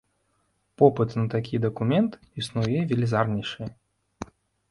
Попыт на такі дакумент існуе велізарнейшы.